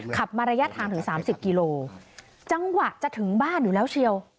ขับมาระยะทางถึงสามสิบกิโลจังหวะจะถึงบ้านอยู่แล้วเชียว